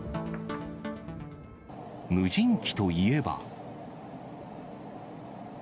無人機といえば。